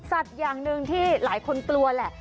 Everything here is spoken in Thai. สัตว์อย่างนึงที่หลายคนกลัวแหละ